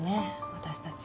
私たち。